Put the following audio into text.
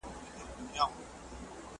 خر خپل او پردي فصلونه نه پېژني .